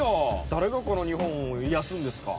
誰がこの日本を癒やすんですか？